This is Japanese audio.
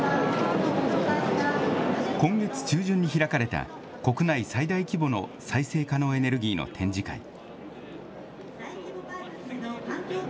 今月中旬に開かれた国内最大規模の再生可能エネルギーの展示会。